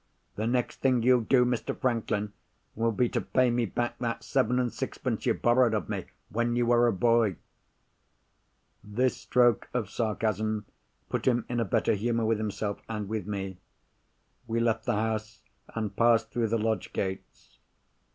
"The next thing you'll do, Mr. Franklin, will be to pay me back that seven and sixpence you borrowed of me when you were a boy." This stroke of sarcasm put him in a better humour with himself and with me. We left the house, and passed through the lodge gates.